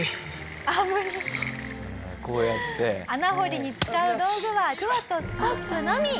穴掘りに使う道具はくわとスコップのみ。